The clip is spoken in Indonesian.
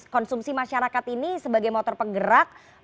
konsumsi masyarakat ini sebagai motor penggerak